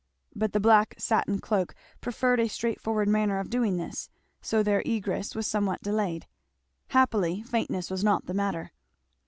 But the black satin cloak preferred a straightforward manner of doing this, so their egress was somewhat delayed. Happily faintness was not the matter.